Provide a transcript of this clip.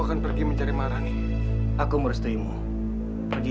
benar kamu adalah anak sumi hati